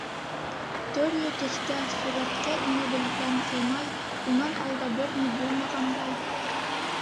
Төрлө төҫкә, сүрәткә инә белгән Ғимай, унан алда бер ни булмағандай: